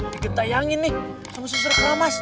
dikintayangin nih sama susur keramas